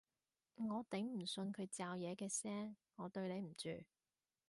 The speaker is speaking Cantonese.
我頂唔順佢嚼嘢嘅聲，我對你唔住